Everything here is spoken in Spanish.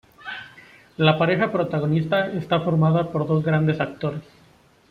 La pareja protagonista está formada por dos grandes actores.